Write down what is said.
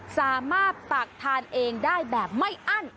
สามารถตักทานเองได้แบบไม่อั้น